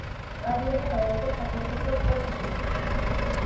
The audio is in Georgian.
კარიერა დაიწყო საფეხბურთო კლუბ „თბილისში“.